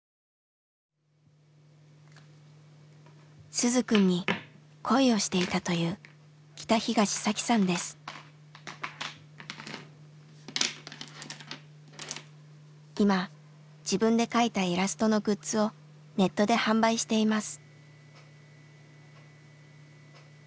鈴くんに恋をしていたという今自分で描いたイラストのグッズをネットで販売しています。